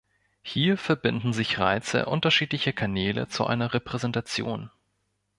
Hier verbinden sich Reize unterschiedlicher Kanäle zu einer Repräsentation.